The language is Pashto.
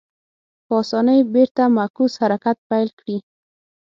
په اسانۍ بېرته معکوس حرکت پیل کړي.